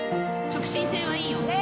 直進性はいいよ。